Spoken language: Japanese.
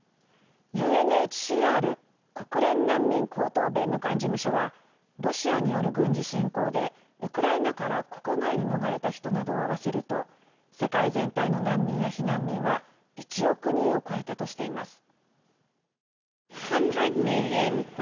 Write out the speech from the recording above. ＵＮＨＣＲ＝国連難民高等弁務官事務所はロシアによる軍事侵攻でウクライナから国外に逃れた人などを合わせると世界全体の難民や避難民は１億人を超えたとしています。